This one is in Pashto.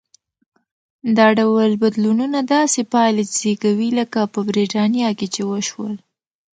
دا ډول بدلونونه داسې پایلې زېږوي لکه په برېټانیا کې چې وشول.